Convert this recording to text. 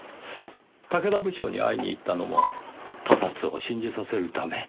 竹田部長に会いに行ったのも他殺を信じさせるため。